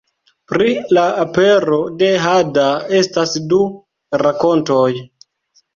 Pri la apero de hada estas du rakontoj.